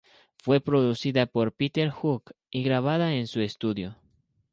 Fue producida por Peter Hook y grabada en su estudio.